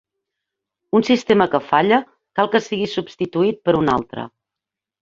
Un sistema que falla cal que sigui substituït per un altre.